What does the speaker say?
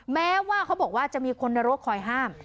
แม้ว่าเขาบอกว่าจะมีคนในรถคอยห้าม